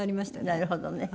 なるほどね。